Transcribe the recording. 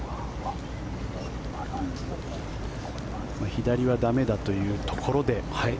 左は駄目だというところで。